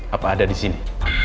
apa ada di sini